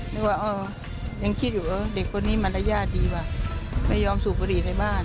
นึกว่าอ๋อยังคิดอยู่ว่าเด็กคนนี้มารยาทดีว่ะไม่ยอมสูบบุหรี่ในบ้าน